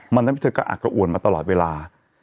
มันทำให้เธอก็อักระอวนมาตลอดเวลา